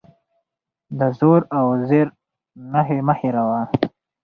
د زور او زېر نښې مه هېروه.